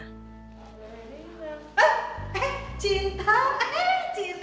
eh eh cinta